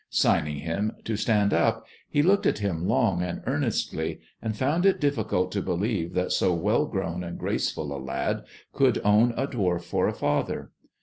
Signing him to stand up, he looked at him long and earnestly, and found it dilficult to believe that so well grown and graceful a lad could own a dwarf for a father.